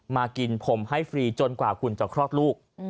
มากินผมให้ฟรีจนกว่าคุณจะคลอดลูก